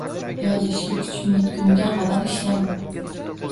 Yozishga kuchim yetguniga qadar ishlayman